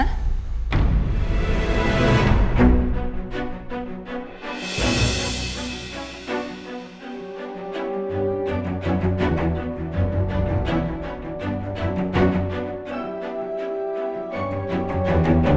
tapi dia sangat peduli